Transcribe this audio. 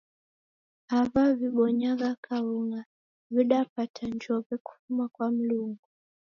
Aw'a w'ibonyagha kaung'a w'idapata njow'e kufuma kwa Mlungu.